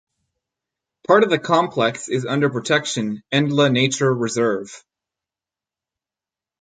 Part of the complex is under protection (Endla Nature Reserve).